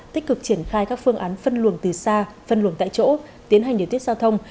tích cực triển khai các phương án phân luồng từ xa phân luồng tại chỗ tiến hành điều tiết giao thông